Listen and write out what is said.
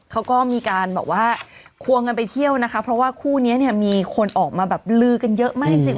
เขาก็มีการแบบว่าควงกันไปเที่ยวนะคะเพราะว่าคู่นี้เนี่ยมีคนออกมาแบบลือกันเยอะมากจริง